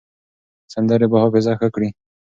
سندرې به حافظه ښه کړي.